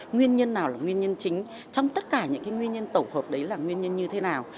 nguyên nhân nào là nguyên nhân chính trong tất cả những nguyên nhân tổng hợp đấy là nguyên nhân như thế nào